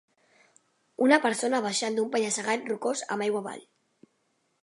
Una persona baixant d'un penya-segat rocós amb aigua avall